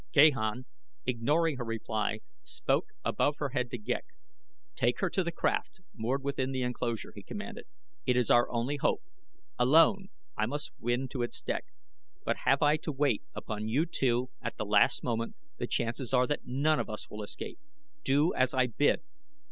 Gahan, ignoring her reply, spoke above her head to Ghek. "Take her to the craft moored within the enclosure," he commanded. "It is our only hope. Alone, I may win to its deck; but have I to wait upon you two at the last moment the chances are that none of us will escape. Do as I bid."